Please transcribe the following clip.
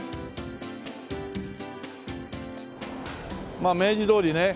まあ明治通りね。